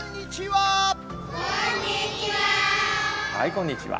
こんにちは。